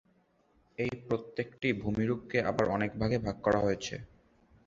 এই প্রত্যেকটি ভূমিরূপ কে আবার অনেক ভাগে ভাগ করা হয়েছে।